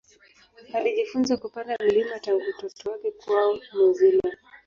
Alijifunza kupanda milima tangu utoto wake kwao New Zealand.